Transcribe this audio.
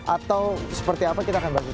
atau seperti apa kita akan bahas